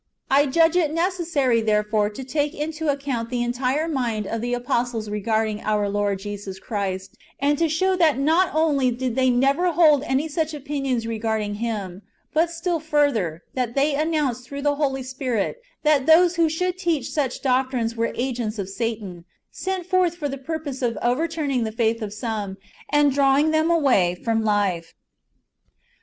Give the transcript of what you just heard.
I judge it necessary therefore to take into account the entire mind of the apostles regarding our Lord Jesus Christ, and to show that not only did they never hold any such opinions regarding Him ; but, still further, that they announced through the Holy Spirit, that those who should teach such doctrines were agents of Satan, sent forth for the purpose of overturning the faith of some, and drawing them away from life.